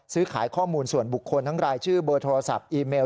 ซื้อขายข้อมูลส่วนบุคคลทั้งรายชื่อเบอร์โทรศัพท์อีเมล